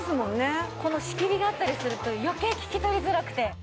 この仕切りがあったりすると余計聞き取りづらくて。